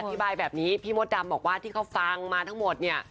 บายแบบนี้พี่มดดำบอกว่าที่เขาฟังมาทั้งหมดเนี่ย